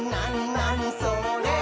なにそれ？」